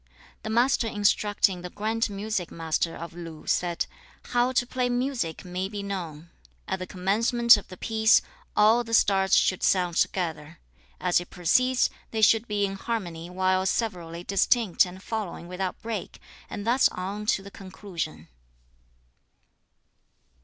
The Master instructing the grand music master of Lu said, 'How to play music may be known. At the commencement of the piece, all the parts should sound together. As it proceeds, they should be in harmony while severally distinct and flowing without break, and thus on to the conclusion.'